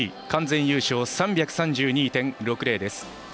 完全優勝、３３２．６０です。